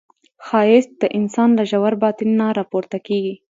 ښایست د انسان له ژور باطن نه راپورته کېږي